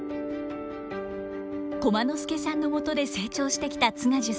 駒之助さんのもとで成長してきた津賀寿さん。